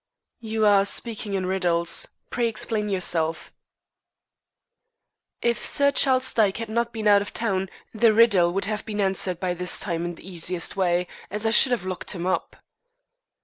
"You are speaking in riddles. Pray explain yourself." "If Sir Charles Dyke had not been out of town, the riddle would have been answered by this time in the easiest way, as I should have locked him up."